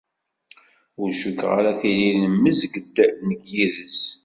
Ur cukkeɣ ara tili nemmezg-d nekk yid-s.